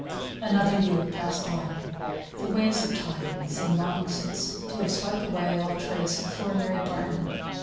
Another year passed on. The waves of time seemed long since to have swept away all trace of poor Mary Barton.